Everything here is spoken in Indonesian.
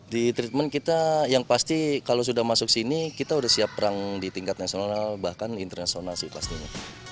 di treatment kita yang pasti kalau sudah masuk sini kita sudah siap perang di tingkat nasional bahkan internasional sih pastinya